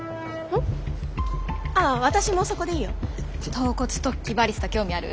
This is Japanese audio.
橈骨突起バリスタ興味ある？